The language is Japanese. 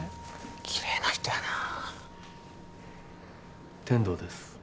きれいな人やなあ天堂です